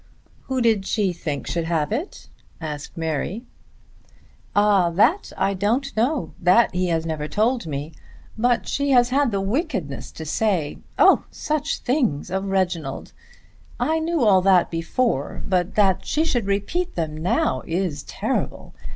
"Who did she think should have it?" asked Mary. "Ah; that I don't know. That he has never told me. But she has had the wickedness to say, oh, such things of Reginald. I knew all that before; but that she should repeat them now is terrible.